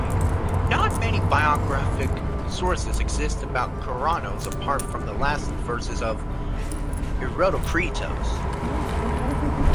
Not many biographic sources exist about Kornaros apart from the last verses of "Erotokritos".